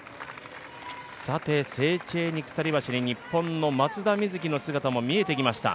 セーチェーニ鎖橋に日本の松田瑞生の姿も見えてきました。